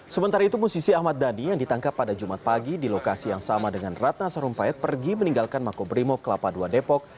sementara itu musisi ahmad dhani yang ditangkap pada jumat pagi di lokasi yang sama dengan ratna sarumpait pergi meninggalkan makobrimob kelapa dua depok